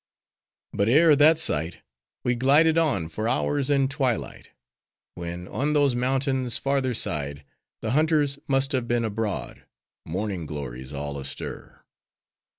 But ere that sight, we glided on for hours in twilight; when, on those mountains' farther side, the hunters must have been abroad, morning glories all astir.